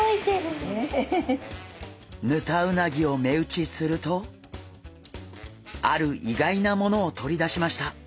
ヌタウナギを目打ちするとあるいがいなものをとり出しました。